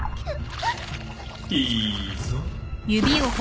いいぞ。